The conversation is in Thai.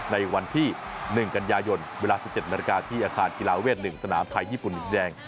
ในวันที่๑กันยายนเวลา๑๗นาฬิกาที่อาคารกีฬาเวท๑สนามไทยญี่ปุ่นดินแดง